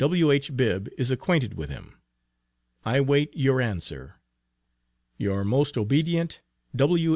W.H. Bibb is acquainted with him. I wait your answer. Your most obedient, W.